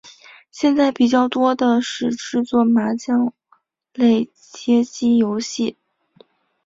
现在比较多的是制作麻将类街机游戏。